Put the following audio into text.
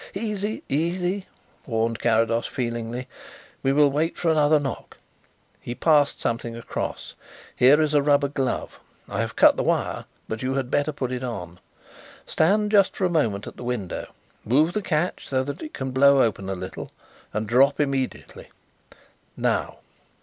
"Easy, easy," warned Carrados feelingly. "We will wait for another knock." He passed something across. "Here is a rubber glove. I have cut the wire but you had better put it on. Stand just for a moment at the window, move the catch so that it can blow open a little, and drop immediately. Now."